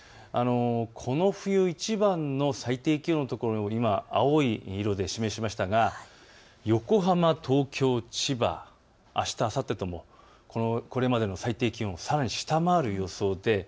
この冬いちばんの最低気温の所、今、青い色で示しましたが横浜、東京、千葉、あした、あさってともこれまでの最低気温をさらに下回る予想です。